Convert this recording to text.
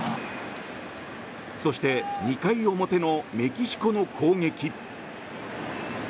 そして、２回表のメキシコの攻撃。